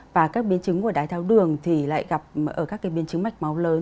và các biến chứng của đai tháo đường thì lại gặp ở các cái biến chứng mạch máu lớn